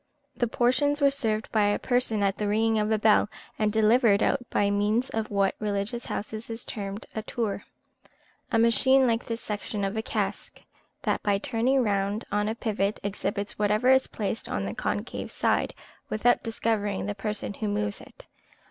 The portions were served by a person at the ringing of a bell, and delivered out by means of what in religious houses is termed a tour a machine like the section of a cask, that, by turning round on a pivot, exhibits whatever is placed on the concave side, without discovering the person who moves it.